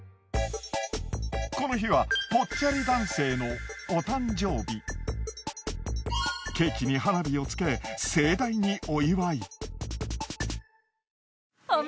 この日はぽっちゃり男性のケーキに花火をつけ盛大にお祝い。